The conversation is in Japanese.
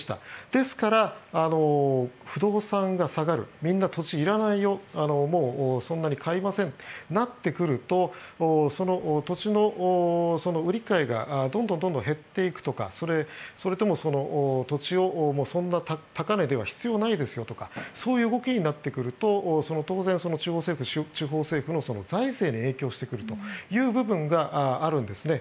ですから、不動産が下がるみんな土地いらないよもうそんなに買いませんとなってくると土地の売り買いがどんどん減っていくとかそれとも、土地をそんな高値では必要ないですよとかそういう動きになってくると当然、中央政府、地方政府の財政に影響してくるという部分があるんですね。